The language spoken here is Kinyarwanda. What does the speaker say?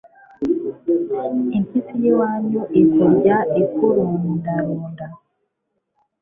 Impyisi y’iwanyu ikurya ikurundarunda